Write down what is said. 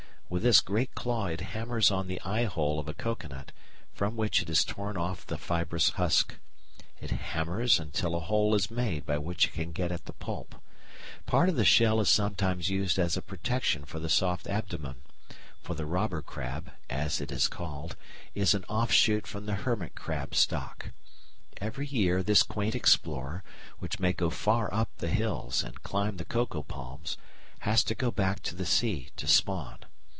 With this great claw it hammers on the "eye hole" of a coconut, from which it has torn off the fibrous husk. It hammers until a hole is made by which it can get at the pulp. Part of the shell is sometimes used as a protection for the soft abdomen for the robber crab, as it is called, is an offshoot from the hermit crab stock. Every year this quaint explorer, which may go far up the hills and climb the coco palms, has to go back to the sea to spawn.